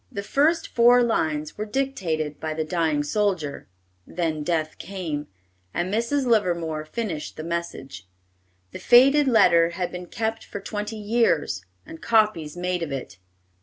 The first four lines were dictated by the dying soldier; then death came, and Mrs. Livermore finished the message. The faded letter had been kept for twenty years, and copies made of it.